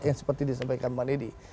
yang seperti disampaikan bang nedi